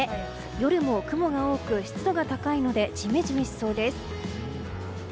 夜も雲が多く湿度が高いのでジメジメしそうです。